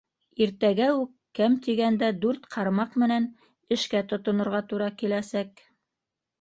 Иртәгә үк кәм тигәндә дүрт ҡармаҡ менән эшкә тотонорға тура киләсәк.